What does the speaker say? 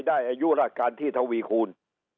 อายุราชการที่ทวีคูณ